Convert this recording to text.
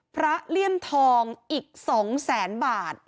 เลี่ยมทองอีก๒แสนบาท